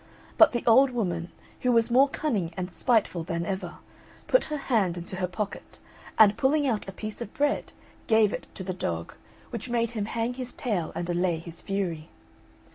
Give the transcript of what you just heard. But the old woman, who was more cunning and spiteful than ever, put her hand into her pocket, and pulling out a piece of bread gave it to the dog, which made him hang his tail and allay his fury.